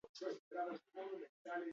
Buruz behera egiten duzu lo?